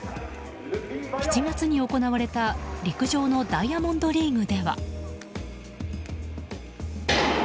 ７月に行われた陸上のダイヤモンドリーグでは。